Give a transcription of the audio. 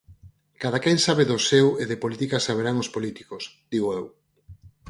Cadaquén sabe do seu e de política saberán os políticos, digo eu.